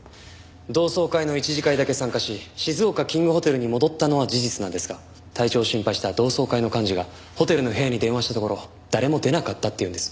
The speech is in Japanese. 同窓会の一次会だけ参加し静岡キングホテルに戻ったのは事実なんですが体調を心配した同窓会の幹事がホテルの部屋に電話したところ誰も出なかったっていうんです。